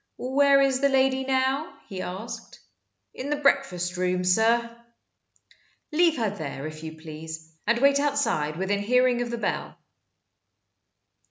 "Where is the lady now?" he asked. "In the breakfast room, sir." "Leave her there, if you please, and wait outside within hearing of the bell."